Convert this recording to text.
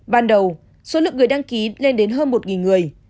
ban đầu số lượng người đăng ký lên đến hơn một người